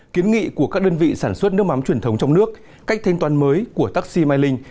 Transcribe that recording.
kiến nghị của các đơn vị sản xuất nước mắm truyền thống trong nước cách thanh toán mới của taxi mai linh